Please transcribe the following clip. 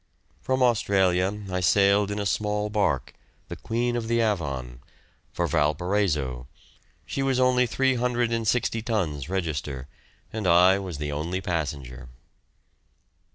From Australia I sailed in a small barque, the "Queen of the Avon," for Valparaiso; she was only 360 tons register, and I was the only passenger.